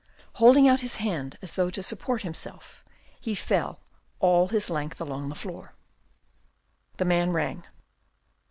Holding out his hand as though to support himself, he fell all his length along the floor. The man rang.